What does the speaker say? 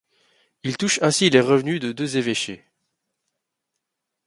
Il touche ainsi les revenus de deux évêchés.